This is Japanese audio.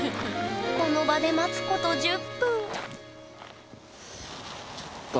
この場で待つこと１０分